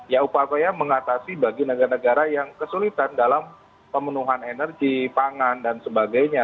ya upaya mengatasi bagi negara negara yang kesulitan dalam pemenuhan energi pangan dan sebagainya